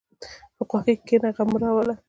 په خوښۍ کښېنه، غم مه راوله.